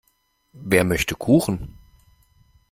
Wer möchte Kuchen?